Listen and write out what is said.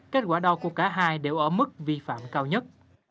kết quả đo của cả hai đều ở mức vi phạm cao nhất